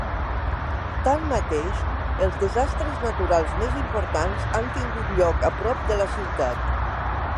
Tanmateix, els desastres naturals més importants han tingut lloc a prop de la ciutat.